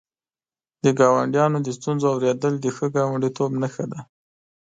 د ګاونډیانو د ستونزو اورېدل د ښه ګاونډیتوب نښه ده.